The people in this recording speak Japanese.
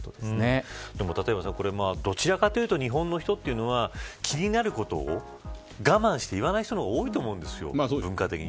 でも立岩さん、どちらかというと日本の人というのは気になることを我慢して言わない人が多いと思うんですよ。